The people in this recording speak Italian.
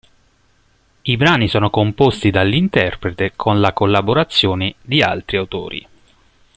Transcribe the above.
I brani sono composti dall'interprete con la collaborazione di altri autori.